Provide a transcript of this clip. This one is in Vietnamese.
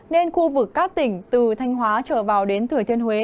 nên khu vực các tỉnh từ thanh hóa trở vào đến thừa thiên huế